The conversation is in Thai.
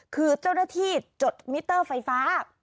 คือเจ้าหน้าที่จดมิเตอร์ไฟฟ้า